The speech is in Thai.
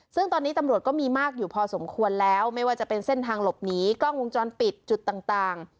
ซึ่งตอนนี้ตำรวจก็มีมากอยู่พอสมควรแล้วไม่ว่าจะเป็นเส้นทางหลบหนีกล้องวงจรปิดจุดต่าง